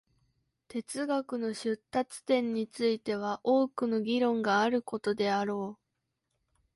哲学の出立点については多くの議論があることであろう。